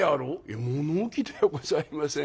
「いや物置ではございません。